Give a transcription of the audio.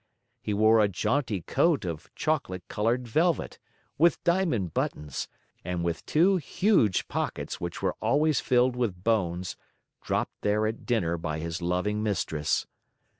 He wore a jaunty coat of chocolate colored velvet, with diamond buttons, and with two huge pockets which were always filled with bones, dropped there at dinner by his loving mistress.